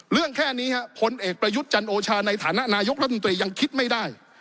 แค่นี้พลเอกประยุทธ์จันโอชาในฐานะนายกรัฐมนตรียังคิดไม่ได้